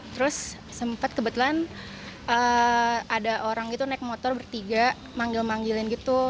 terus sempat kebetulan ada orang itu naik motor bertiga manggil manggilin gitu